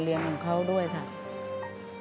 ลูกบ้าน